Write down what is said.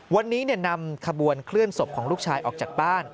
วันนี้นำขบวนเคลื่อนศพของลูกชายออกจากบ้าน